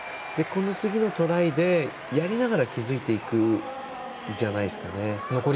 この次のトライでやりながら気付いていくんじゃないですかね。